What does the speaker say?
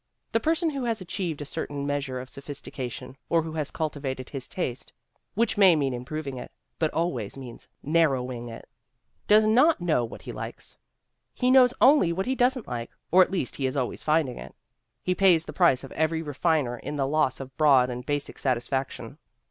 The person who has achieved a certain^ meas ure of sophistication or who has cultivated his taste (which may mean improving it but always means narrowing it) does not know what he likens! ^He knows only what he doesn't like or at least he is always finding it. He pays the price of every re finer in the loss of broad and basic satisfaction.